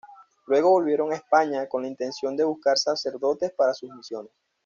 Luego volvieron a España con la intención de buscar sacerdotes para sus misiones.